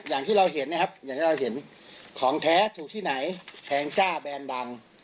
ก็อย่างที่เราเห็นนะครับของแท้ถูกที่ไหนแพงจ้าแบรนดัน